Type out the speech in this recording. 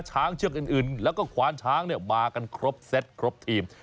เชือกอื่นแล้วก็ควานช้างมากันครบเซตครบทีม